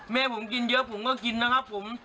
แม่ผมกินเยอะผมก็กินนะครับผม